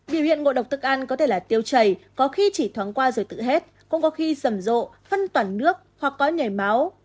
biểu hiện ngộ độc thức ăn có thể là tiêu chảy có khi chỉ thoáng qua rồi tự hết cũng có khi rầm rộ phân toản nước hoặc có nhảy máu